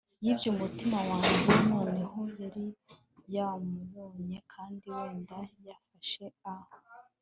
yibye umutima wanjye. noneho yari yamubonye kandi wenda yafashe a